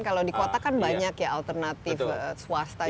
kalau dikota kan banyak ya alternatif swasta juga